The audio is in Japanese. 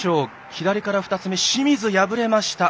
左から２つ目、清水破れました。